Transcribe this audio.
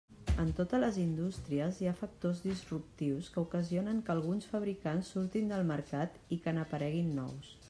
En totes les indústries hi ha factors disruptius que ocasionen que alguns fabricants surtin del mercat i que n'apareguin nous.